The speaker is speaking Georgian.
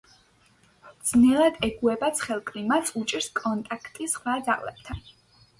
ძნელად ეგუება ცხელ კლიმატს, უჭირს კონტაქტი სხვა ძაღლებთან.